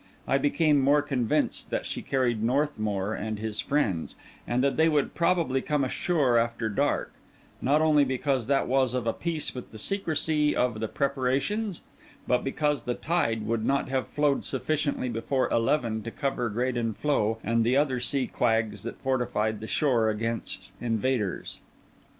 I became more convinced that she carried Northmour and his friends, and that they would probably come ashore after dark; not only because that was of a piece with the secrecy of the preparations, but because the tide would not have flowed sufficiently before eleven to cover Graden Floe and the other sea quags that fortified the shore against invaders.